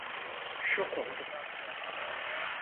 Şok oldum.